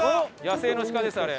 野生の鹿ですあれ。